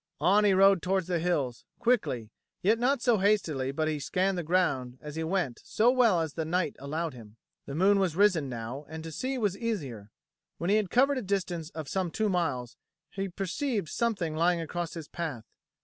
On he rode towards the hills, quickly, yet not so hastily but that he scanned the ground as he went so well as the night allowed him. The moon was risen now and to see was easier. When he had covered a distance of some two miles, he perceived something lying across his path.